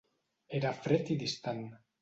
Era fred i distant.